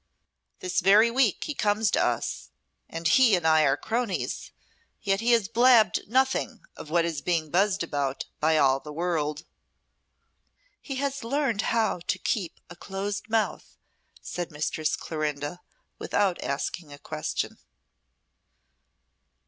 "This very week he comes to us, and he and I are cronies, yet he has blabbed nothing of what is being buzzed about by all the world." "He has learned how to keep a closed mouth," said Mistress Clorinda, without asking a question.